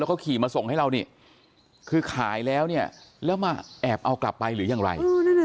แล้วก็ขี่มาส่งให้เรานี่คือขายแล้วเนี่ยแล้วมาแอบเอากลับไปหรือยังไร